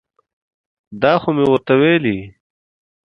دا خو مې ورته ویلي.